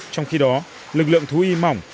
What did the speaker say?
trong khi đó lực lượng thú y mỏng